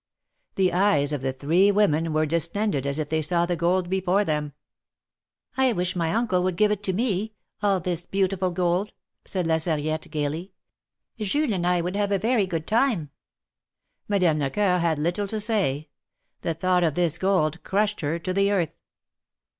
The eyes of the three women were distended as if they saw the gold before them. I wish my uncle would give it to me — all this beautiful gold," said La Sarriette, gayly. ''Jules and I would have a very good time." Madame Lecoeur had little to say. The thought of this gold crushed her to the earth.